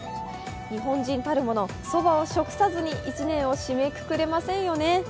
日本人たるものそばを食さずに一年を締めくくれませんよね。